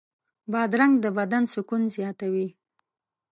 بادرنګ د بدن سکون زیاتوي.